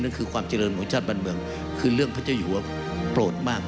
คือความเจริญของชาติบ้านเมืองคือเรื่องพระเจ้าอยู่ว่าโปรดมาก